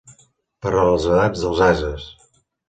Per a les edats dels ases.